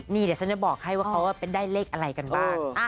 นี่เดี๋ยวฉันจะบอกให้ว่าเขาได้เลขอะไรกันบ้าง